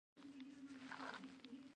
د نجونو تعلیم ټولنه له تیارو څخه راباسي.